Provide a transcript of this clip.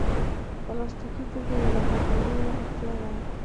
پلاستيکي توکي د لابراتوارونو اړتیا ده.